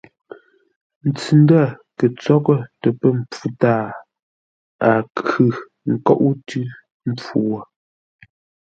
Ntsʉ-ndə̂ kə̂ ntsóghʼə́ tə pə̂ mpfu tâa, a khʉ̂ ńkóʼó tʉ́ mpfu wo.